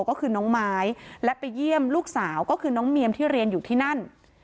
ก็คือน้องไม้และไปเยี่ยมลูกสาวก็คือน้องเมียมที่เรียนอยู่ที่นั่น